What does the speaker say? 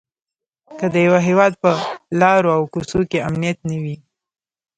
که د یوه هيواد په الرو او کوڅو کې امنيت نه وي؛